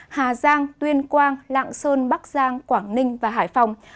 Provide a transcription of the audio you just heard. hà giang tuyên quang lạng sơn bắc giang quảng ninh và hải phòng